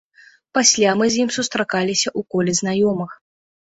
Пасля мы з ім сустракаліся ў коле знаёмых.